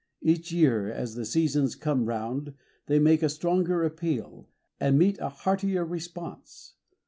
Each year, as the seasons come round, they make a stronger appeal, and meet a heartier response.